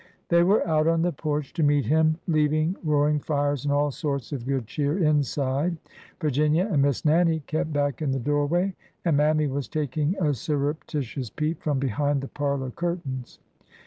They were out on the porch to meet him, leaving roar ing fires and all sorts of good cheer inside. Virginia and Miss Nannie kept back in the doorway, and Mammy was taking a surreptitious peep from behind the parlor cur tains.